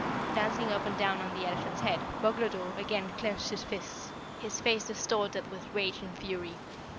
Dancing up and down on the elephant's head, Boglodore again clenched his fists, his face distorted with rage and fury.